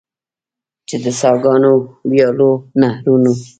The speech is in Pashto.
چې د څاګانو، ویالو، نهرونو.